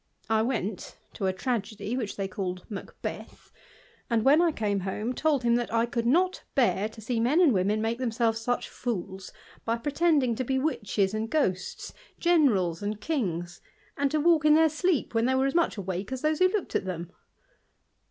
I went to a tragedy which they called Macbeth ; and, when I came home, told him that I could not bear to see men and women make thena selves such fools, by pretending to be witches and ghosts, generals and kings, and to walk in their sleep when they were as much awake as those who looked at them.